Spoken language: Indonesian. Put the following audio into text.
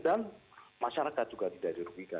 dan masyarakat juga tidak dirugikan